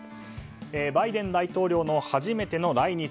バイデン大統領の初めての来日。